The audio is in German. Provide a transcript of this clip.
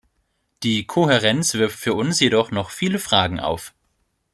Die Kohärenz wirft für uns jedoch noch viele Fragen auf.